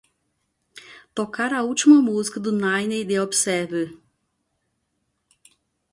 tocar a última música do Niney The Observer